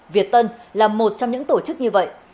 việt tân là một trong những tổ chức như vậy